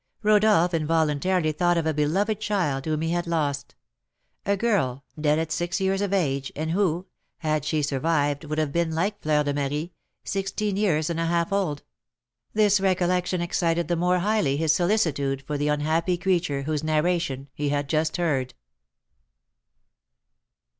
Rodolph involuntarily thought of a beloved child whom he had lost, a girl, dead at six years of age, and who, had she survived, would have been, like Fleur de Marie, sixteen years and a half old. This recollection excited the more highly his solicitude for the unhappy creature whose narration he had just heard.